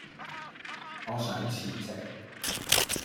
我想辭職